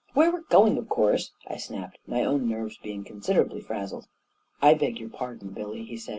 "Where we're going, of course!" I snapped, my own nerves being considerably frazzled. " I beg your pardon, Billy," he said.